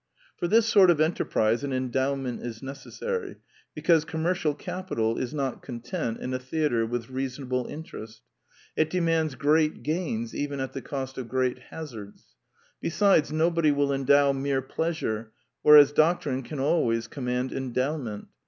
F/)r this sort of enterprise an endowment is necessary, because commercial capital is not con 240 The Quintessence of Ibsenism tent in a theatre with reasonable interest: it de mands great gains even at the cost of great hazards. Besides, nobody will endow mere pleas ure, whereas doctrine can always command en dowment.